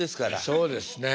そうですね。